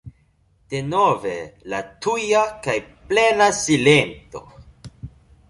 Denove la tuja kaj plena silento!